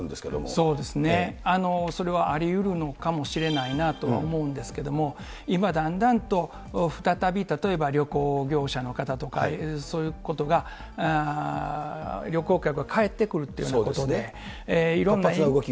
そうですね、それはありうるのかもしれないなと思うんですけれども、今、だんだんと再び例えば、旅行業者の方とか、そういうことが旅行客が帰ってくるということですね、いろんな。